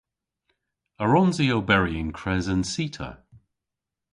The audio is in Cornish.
A wrons i oberi yn kres an cita?